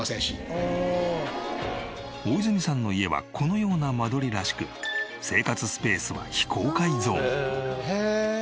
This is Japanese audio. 大泉さんの家はこのような間取りらしく生活スペースは非公開ゾーン。